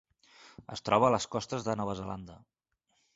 Es troba a les costes de Nova Zelanda.